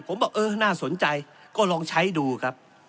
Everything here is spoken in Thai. ผมบอกเออน่าสนใจก็ลองใช้ดูครับ